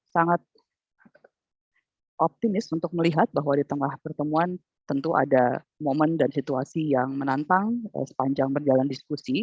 sangat optimis untuk melihat bahwa di tengah pertemuan tentu ada momen dan situasi yang menantang sepanjang berjalan diskusi